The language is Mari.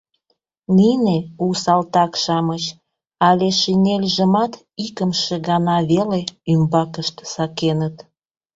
Нине — у «салтак»-шамыч, але шинельжымат икымше гана веле ӱмбакышт сакеныт.